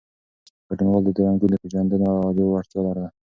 ګډونوالو د رنګونو پېژندنې عادي وړتیا لرله.